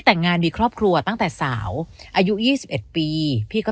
แต่งงานมีครอบครัวตั้งแต่สาวอายุยี่สิบเอ็ดปีพี่ก็